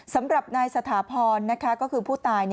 สำหรับนายสถาพรก็คือผู้ตาย